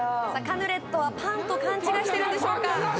カヌレットはパンと勘違いしてるんでしょうか？